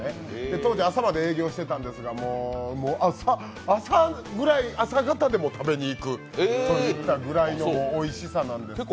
当時朝まで営業していたんですが、朝方でも食べに行くというおいしさなんですけども。